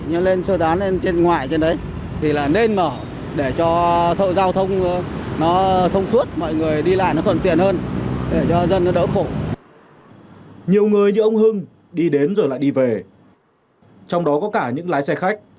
nhiều người như ông hưng đi đến rồi lại đi về trong đó có cả những lái xe khách